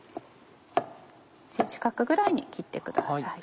１ｃｍ角ぐらいに切ってください。